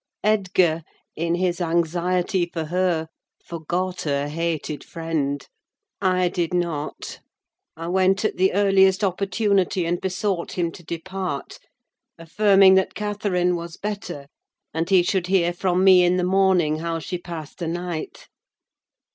Edgar, in his anxiety for her, forgot her hated friend. I did not. I went, at the earliest opportunity, and besought him to depart; affirming that Catherine was better, and he should hear from me in the morning how she passed the night.